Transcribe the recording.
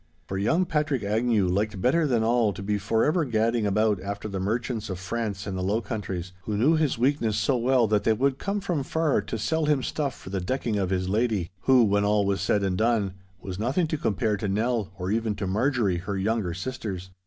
For young Patrick Agnew liked better than all to be for ever gadding about after the merchants of France and the Low Countries, who knew his weakness so well that they would come from far to sell him stuff for the decking of his lady—who, when all was said and done, was nothing to compare to Nell or even to Marjorie, her younger sisters.